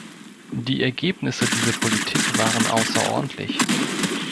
Die Ergebnisse dieser Politik waren außerordentlich.